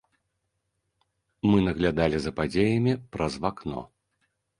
Мы наглядалі за падзеямі праз вакно.